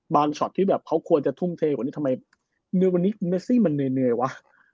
บานชอตที่เขาควรจะทุ่มเทควันนี้ทำไมวันนี้นัสซี่มันเนยวะ